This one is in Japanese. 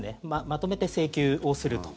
まとめて請求をすると。